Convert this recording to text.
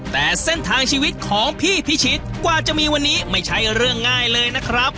แต่เส้นทางชีวิตของพี่พิชิตกว่าจะมีวันนี้ไม่ใช่เรื่องง่ายเลยนะครับ